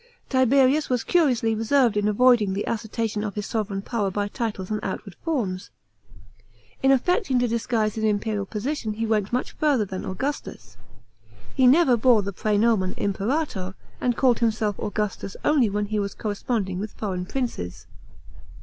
Tiberius was curiously reserved in avoiding the assertion of his sovran power by titles and outward forms. In affecting to disguise his imperial position he vent much further than Augustus. He never bore the prsenomen Imperator, and called himself Augustus only when he was corresponding with foreign princes.